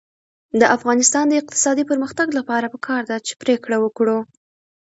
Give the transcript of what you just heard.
د افغانستان د اقتصادي پرمختګ لپاره پکار ده چې پرېکړه وکړو.